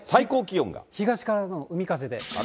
東からの海風で。